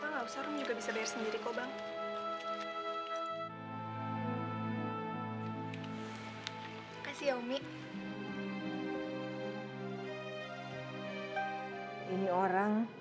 gapapa gak usah rum bisa bayar sendiri kok bang